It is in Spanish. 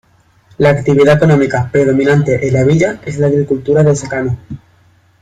La actividad económica predominante en la villa es la agricultura de secano.